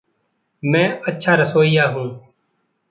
मैं अच्छा रसोइया हूँ।